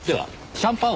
シャンパン？